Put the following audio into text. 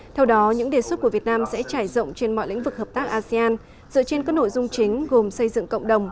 theo đó những đề xuất của việt nam sẽ trải rộng trên mọi lĩnh vực hợp tác asean dựa trên các nội dung chính gồm xây dựng cộng đồng